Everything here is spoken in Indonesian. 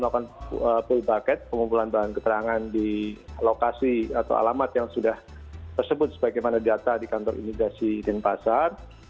melakukan full bucket pengumpulan bahan keterangan di lokasi atau alamat yang sudah tersebut sebagaimana data di kantor imigrasi denpasar